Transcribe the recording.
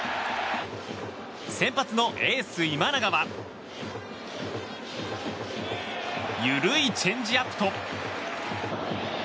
先発のエース、今永は緩いチェンジアップと。